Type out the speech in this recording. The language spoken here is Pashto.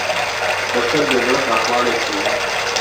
• بښل د زړه پراخوالی ښيي.